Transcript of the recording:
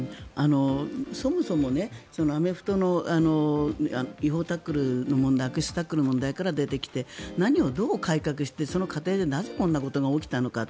そもそもアメフトの悪質タックルの問題から出てきて何をどう改革して、その過程でなぜこんなことが起きたのか。